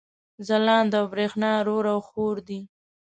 ځلاند او برېښنا رور او حور دي